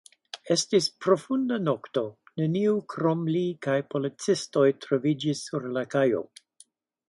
Estis profunda nokto, neniu krom li kaj policistoj troviĝis sur la kajo.